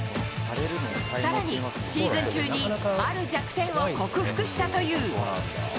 さらに、シーズン中にある弱点を克服したという。